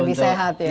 lebih sehat ya